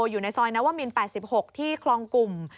อยู่ในซอยนวมิน๘๖ที่คลองกลุ่ม